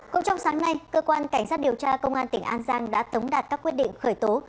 cũng trong sáng nay cơ quan cảnh sát điều tra công an tỉnh an giang đã tống đạt các quyết định khởi tố